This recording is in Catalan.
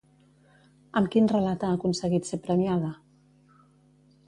Amb quin relat ha aconseguit ser premiada?